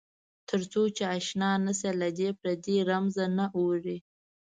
تر څو چې آشنا نه شې له دې پردې رمز نه اورې.